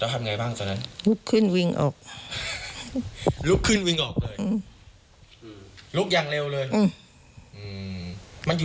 ตรงหน้าตู้ของนั้น